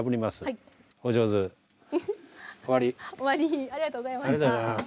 ありがとうございます。